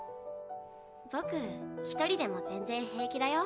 僕一人でも全然平気だよ。